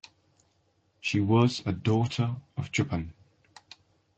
She was a daughter of Chupan.